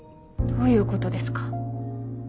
どういうことですか？